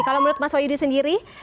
kalau menurut mas wahyudi sendiri